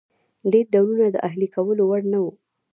ډېر ډولونه د اهلي کولو وړ نه وو.